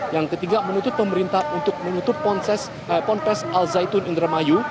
yang ketiga menuntut pemerintah untuk menutup ponpes al zaitun indramayu